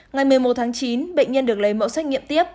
ngày một mươi một tháng chín bệnh nhân được lấy mẫu xét nghiệm tiếp